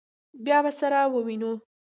بیا به سره ووینو.